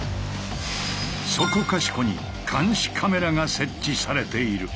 そこかしこに監視カメラが設置されている。